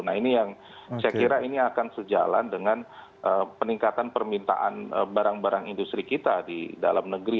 nah ini yang saya kira ini akan sejalan dengan peningkatan permintaan barang barang industri kita di dalam negeri